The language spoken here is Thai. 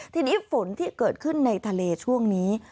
ทีนี้ฝนที่เกิดขึ้นในทะเลช่วงนี้